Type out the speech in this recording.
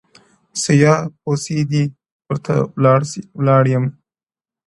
• سیاه پوسي ده، ورته ولاړ یم،